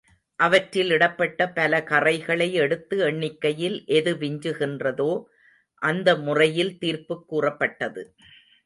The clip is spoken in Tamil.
அவற்றில் இடப்பட்ட பலகறைகளை எடுத்து எண்ணிக்கையில் எது விஞ்சுகின்றதோ, அந்த முறையில் தீர்ப்புக் கூறப்பட்டது.